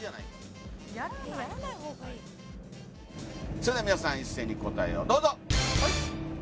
それでは皆さん一斉に答えをどうぞ！